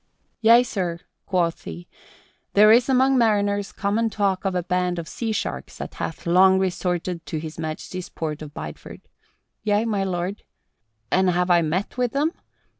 "Yea, sir," quoth he, "there is among mariners common talk of a band of sea sharks that hath long resorted to His Majesty's port of Bideford. Yea, my lord. And have I met with them?